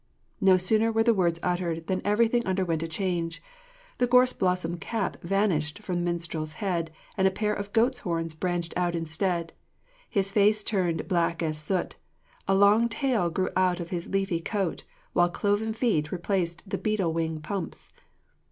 No sooner were the words uttered than everything underwent a change. The gorse blossom cap vanished from the minstrel's head, and a pair of goat's horns branched out instead. His face turned as black as soot; a long tail grew out of his leafy coat, while cloven feet replaced the beetle wing pumps.